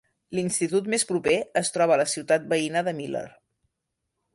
L'institut més proper es troba a la ciutat veïna de Miller.